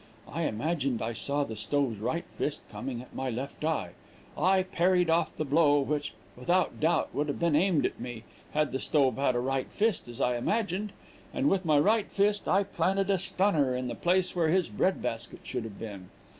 I imagined I saw the stove's right fist coming at my left eye. I parried off the blow, which, without doubt, would have been aimed at me, had the stove had a right fist as I imagined, and with my right fist I planted a stunner in the place where his bread basket should have been.